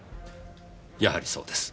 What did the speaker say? やはりそうです。